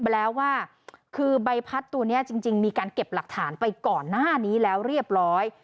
ไปแล้วว่าคือใบพัดตัวนี้จริงมีการเก็บหลักฐานไปก่อนหน้านี้แล้วเรียบร้อย